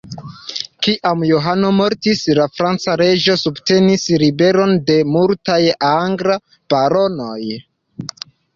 Kiam Johano mortis, la franca reĝo subtenis ribelon de multaj anglaj baronoj.